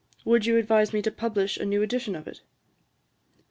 Would you advise me to publish a new edition of it?'